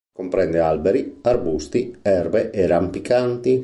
Comprende alberi, arbusti, erbe e rampicanti.